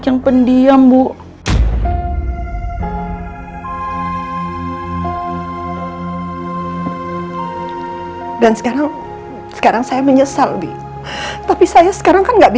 yang sabar ya bu